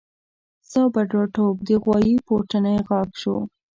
ستا بډاتوب د غوايي پورتنی غاښ شو.